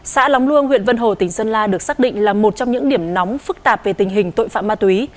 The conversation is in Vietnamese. xã lóng luông huyện vân hồ tỉnh sơn la được xác định là một trong những điểm nóng phức tạp về tình hình tội phạm ma túy